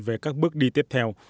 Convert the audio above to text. về các bước đi tiếp theo